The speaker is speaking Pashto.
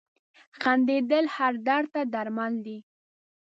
• خندېدل هر درد ته درمل دي.